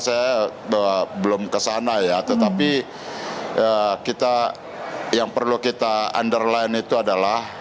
saya belum kesana ya tetapi kita yang perlu kita underline itu adalah